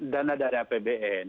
dana dari apbn